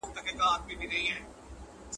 • تقدير په تدبير پوري خاندي.